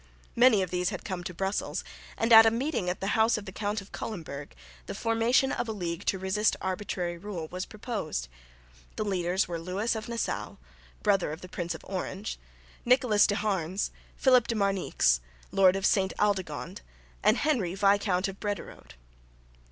Many of these had come to Brussels, and at a meeting at the house of the Count of Culemburg the formation of a league to resist arbitrary rule was proposed. The leaders were Lewis of Nassau, brother of the Prince of Orange, Nicolas de Harnes, Philip de Marnix, lord of Sainte Aldegonde, and Henry, Viscount of Brederode.